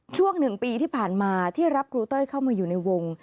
ช่วง๑ปีที่ผ่านมาที่รับครูเต้ยเข้ามาอยู่ในวง